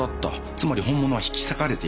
つまり本物は引き裂かれていない。